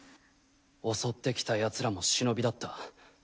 襲ってきたヤツらも忍だった。